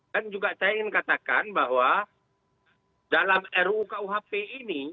dan juga saya ingin katakan bahwa dalam ruu kuhp ini